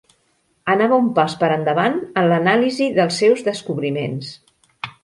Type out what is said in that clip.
Anava un pas per endavant en l'anàlisi dels seus descobriments.